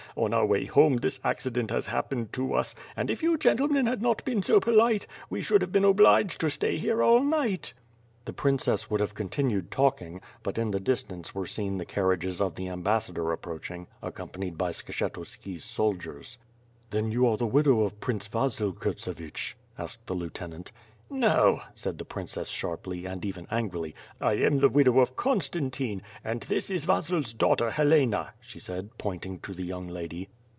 On our way home this accident has happened to us; and if you gentle men had not been so polite, we should have been obliged to stay here all night." The princess would have continued talking; but in the distance were seen the carriages of the ambassador approach ing, accompanied by Skshetuski^s soldiers. "Then you are the widow of Prince Vasil Kurtsevich?" asked the lieutenant. 42 WITH FIRE AND SWORD. "No," said the princess sharj)ly, and even angrily. "I am the widow of Constantine, and this is Vasil's daughter, Helena," she said, pointing to the young lady.